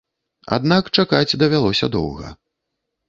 Аднак чакаць давялося доўга.